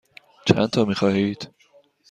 چندتا می خواهید؟